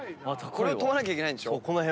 これ跳ばなきゃいけないんでしょ。